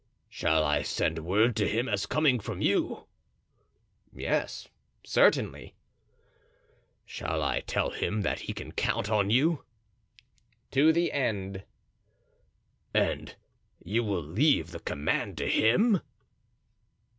"Shall I send word to him as coming from you?" "Yes certainly." "Shall I tell him that he can count on you?" "To the end." "And you will leave the command to him?"